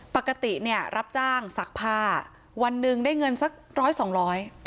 ปกติเนี่ยรับจ้างซักผ้าวันหนึ่งได้เงินสักร้อยสองร้อย